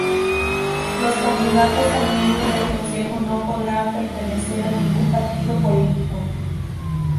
Los candidatos a miembros del Consejo no podrán pertenecer a ningún partido político.